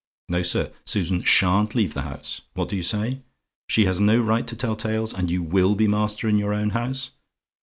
No, sir; Susan SHAN'T LEAVE THE HOUSE! What do you say? "SHE HAS NO RIGHT TO TELL TALES, AND YOU WILL BE MASTER IN YOUR OWN HOUSE?